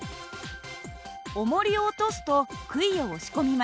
おもりを落とすとくいを押し込みます。